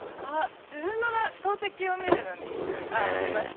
自分の投てきを見るのに見ました。